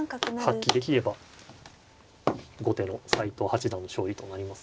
発揮できれば後手の斎藤八段の勝利となりますが。